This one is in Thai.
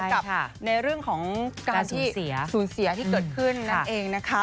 กับในเรื่องของการที่สูญเสียที่เกิดขึ้นนั่นเองนะคะ